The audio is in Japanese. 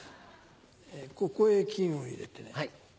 ここへ金を入れてね。